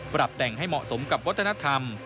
ปรับแต่งให้เหมาะสมกับวัฒนธรรม